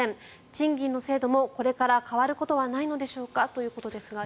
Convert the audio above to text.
賃金の制度もこれから変わることはないのでしょうかということですが。